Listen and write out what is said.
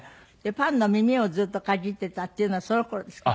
パンの耳をずっとかじってたっていうのはその頃ですか？